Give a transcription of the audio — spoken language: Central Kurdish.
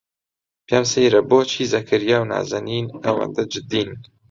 پێم سەیرە بۆچی زەکەریا و نازەنین ئەوەندە جددین.